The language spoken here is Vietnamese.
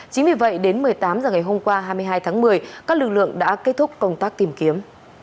chính vì vậy đến một mươi tám h ngày hôm qua hai mươi hai tháng một mươi các lực lượng đã kết thúc công tác tìm kiếm